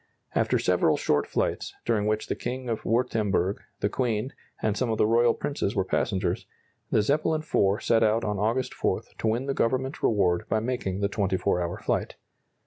After several short flights, during which the King of Württemberg, the Queen, and some of the royal princes were passengers, the Zeppelin IV set out on August 4 to win the Government reward by making the 24 hour flight.